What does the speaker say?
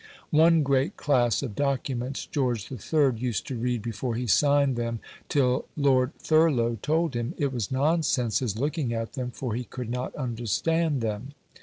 One great class of documents George III. used to read before he signed them, till Lord Thurlow told him, "It was nonsense his looking at them, for he could not understand them".